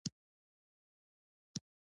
د پښتنو په کلتور کې د صفايي خیال ساتل کیږي.